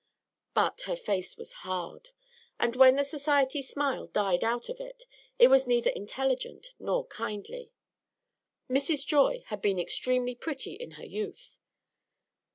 But her face was hard; and when the society smile died out of it, it was neither intelligent nor kindly. Mrs. Joy had been extremely pretty in her youth.